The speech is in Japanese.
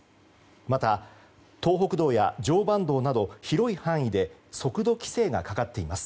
また、東北道や常磐道など広い範囲で速度規制がかかっています。